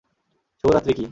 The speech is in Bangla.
শুভ রাত্রি কী?